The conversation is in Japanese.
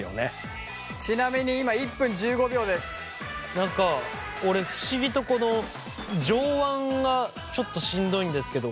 何か俺不思議とこの上腕がちょっとしんどいんですけど。